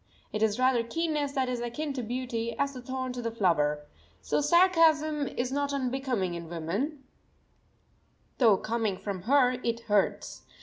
It is rather keenness that is akin to beauty, as the thorn to the flower. So sarcasm is not unbecoming in woman, though coming from her it hurts.